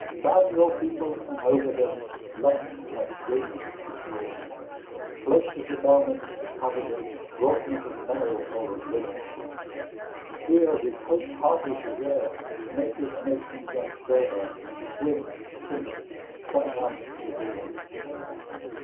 Round your people and over them Light like raiment is drawn, Close as a garment to cover them Wrought not of mail nor of lawn; Here, with hope hardly to wear, Naked nations and bare Swim, sink, strike out for the dawn.